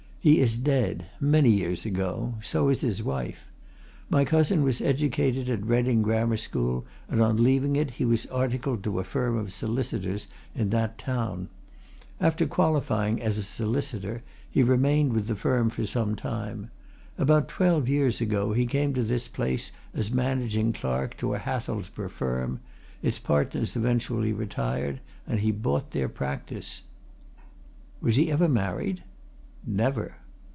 He is dead many years ago so is his wife. My cousin was educated at Reading Grammar School, and on leaving it he was articled to a firm of solicitors in that town. After qualifying as a solicitor, he remained with that firm for some time. About twelve years ago he came to this place as managing clerk to a Hathelsborough firm; its partners eventually retired, and he bought their practice." "Was he ever married?" "Never!"